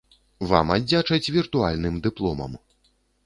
Вам аддзячаць віртуальным дыпломам.